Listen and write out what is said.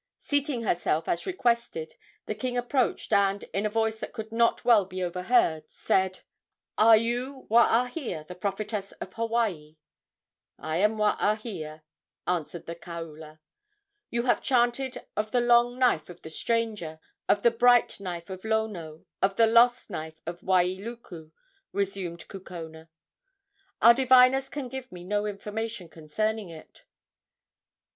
Seating herself, as requested, the king approached, and, in a voice that could not well be overheard, said: "Are you Waahia, the prophetess of Hawaii?" "I am Waahia," answered the kaula. "You have chanted of the long knife of the stranger, of the bright knife of Lono, of the lost knife of Wailuku," resumed Kukona. "Our diviners can give me no information concerning it."